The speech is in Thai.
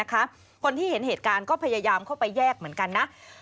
คนที่เห็นเหตุการณ์ก็พยายามเข้าไปแยกเหมือนกันนะ